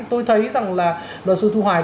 tôi thấy rằng là luật sư thu hoài